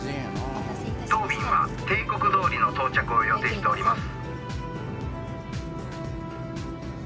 当便は定刻通りの到着を予定しております。